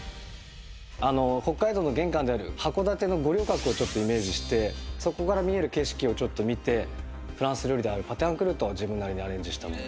北海道の玄関である函館の五稜郭をちょっとイメージしてそこから見える景色をちょっと見てフランス料理であるパテアンクルートを自分なりにアレンジしたもの